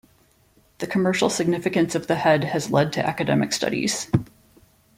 The commercial significance of the head has led to academic studies.